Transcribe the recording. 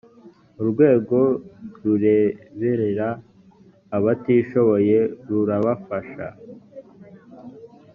urwego rureberera abatishoboye rurabafasha.